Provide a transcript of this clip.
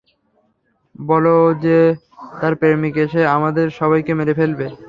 বললো যে তার প্রেমিক এসে আমাদের সবাইকে মেরে ফেলবে।